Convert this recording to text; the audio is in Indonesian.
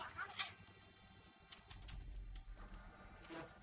tidak aku akang